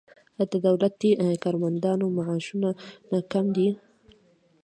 آیا د دولتي کارمندانو معاشونه کم دي؟